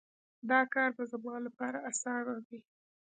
دا کار به زما لپاره اسانه وي